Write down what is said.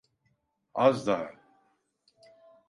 Az daha.